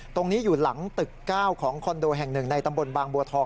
ตรงนี้อยู่หลังตึก๙ของคอนโดแห่ง๑ในตำบลบางบัวทอง